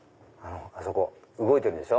あそこ動いてるでしょ？